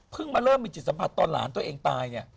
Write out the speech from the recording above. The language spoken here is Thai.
มาเริ่มมีจิตสัมผัสตอนหลานตัวเองตายเนี่ย